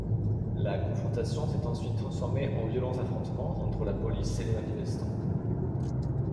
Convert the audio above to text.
La confrontation s'est ensuite transformée en violents affrontements entre la police et les manifestants.